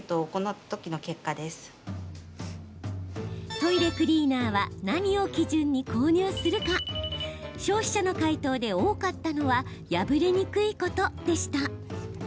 トイレクリーナーは何を基準に購入するか消費者の回答で多かったのは「破れにくいこと」でした。